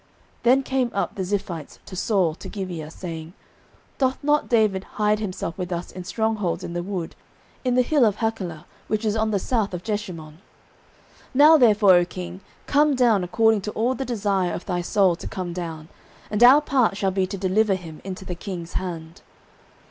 09:023:019 Then came up the Ziphites to Saul to Gibeah, saying, Doth not David hide himself with us in strong holds in the wood, in the hill of Hachilah, which is on the south of Jeshimon? 09:023:020 Now therefore, O king, come down according to all the desire of thy soul to come down; and our part shall be to deliver him into the king's hand.